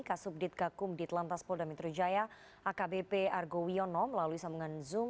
kasub ditka kum dit lantas pol damitru jaya akbp argo wionom lalu sambungan zoom